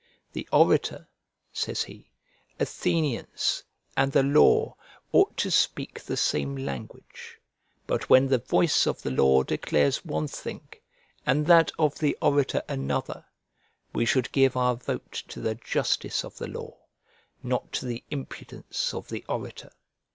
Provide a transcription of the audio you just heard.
"The orator," says he, "Athenians, and the law, ought to speak the same language; but when the voice of the law declares one thing, and that of the orator another we should give our vote to the justice of the law, not to the impudence of the orator."